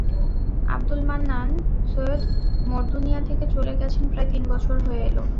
আবদুল মান্নান সৈয়দ মরদুনিয়া থেকে চলে গেছেন প্রায় তিন বছর হয়ে এল।